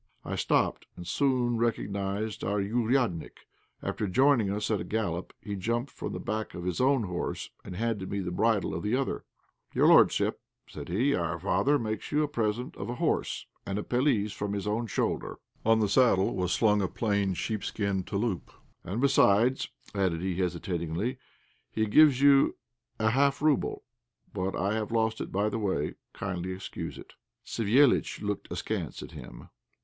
I stopped, and soon recognized our "ouriadnik." After joining us at a gallop, he jumped from the back of his own horse, and handing me the bridle of the other "Your lordship," said he, "our father makes you a present of a horse, and a pelisse from his own shoulder." On the saddle was slung a plain sheepskin "touloup." "And, besides," added he, hesitatingly, "he gives you a half rouble, but I have lost it by the way; kindly excuse it." Savéliitch looked askance at him.